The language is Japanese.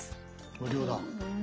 無料だ。